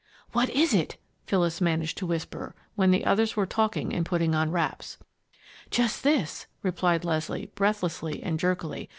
"What is it?" Phyllis managed to whisper, when the others were talking and putting on wraps. "Just this," replied Leslie, breathlessly and jerkily.